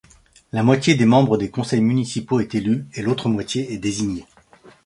La moitié des membres des conseils municipaux est élue et l'autre moitié est désignée.